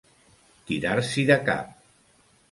Tirar-s'hi de cap.